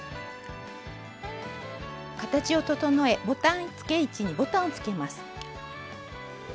形を整えボタンつけ位置にボタンをつけます。